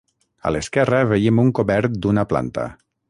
A l’esquerra veiem un cobert d’una planta.